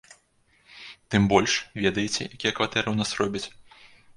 Тым больш, ведаеце, якія кватэры ў нас робяць?